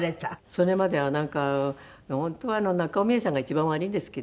それまではなんか本当は中尾ミエさんが一番悪いんですけど。